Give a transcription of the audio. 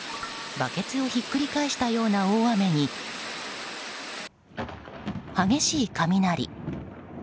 バケツをひっくり返したような大雨に激しい雷。